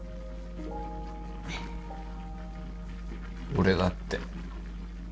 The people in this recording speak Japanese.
俺だって。